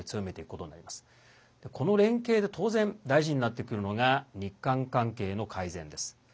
この連携で当然、大事になってくるのが日韓関係の改善です。